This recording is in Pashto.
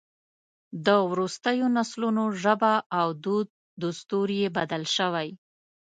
د وروستیو نسلونو ژبه او دود دستور یې بدل شوی.